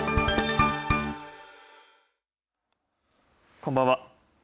こんばんは。